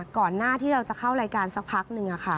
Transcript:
ก่อนหน้าที่เราจะเข้ารายการสักพักนึง